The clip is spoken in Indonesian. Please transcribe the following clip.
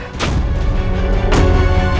terhadap siksa api neraka